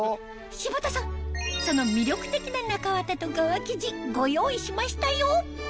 柴田さんその魅力的な中綿と側生地ご用意しましたよ